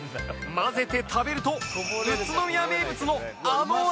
混ぜて食べると宇都宮名物のあの味になるとか？